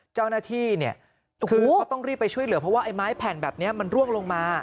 เจ้าหน้าที่เนี่ยคือเขาต้องรีบไปช่วยเหลือเพราะว่าไอ้ไม้แผ่นแบบนี้มันร่วงลงมา